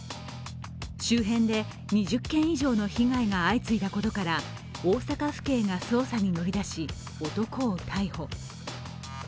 周辺で２０件以上の被害が相次いだことから大阪府警が捜査に乗り出し、男を逮捕。